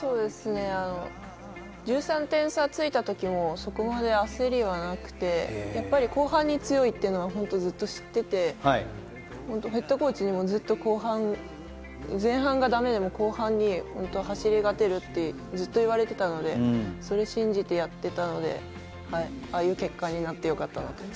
１３点差がついた時も、そこまで焦りはなくてやっぱり後半に強いというのはずっと知ってて、ヘッドコーチにも後半、前半がダメでも後半に走り勝てるとずっと言われていたので、それを信じてやっていたのでああいう結果になってよかったなって。